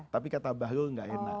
tapi kata bahlul gak enak